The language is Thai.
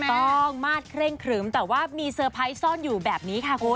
ต้องมาดเคร่งครึมแต่ว่ามีเซอร์ไพรส์ซ่อนอยู่แบบนี้ค่ะคุณ